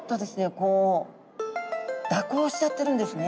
こう蛇行しちゃってるんですね。